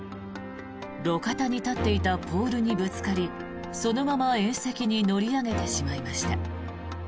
路肩に立っていたポールにぶつかりそのまま縁石に乗り上げてしまいました。